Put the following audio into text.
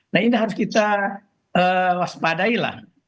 nah ini harus kita waspadailah